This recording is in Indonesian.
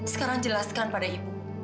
sekarang jelaskan pada ibu